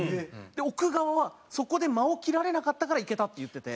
奥川はそこで間を切られなかったからいけたって言ってて。